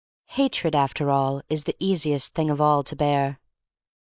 HATRED, after all, is the easiest thing of all to bear.